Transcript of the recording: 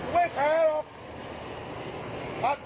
ไม่แทรก